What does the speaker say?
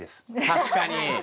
確かに。